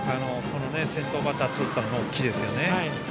先頭バッターをとれたのは大きいですね。